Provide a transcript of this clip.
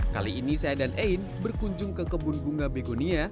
kali ini saya dan ain berkunjung ke kebun bunga begonia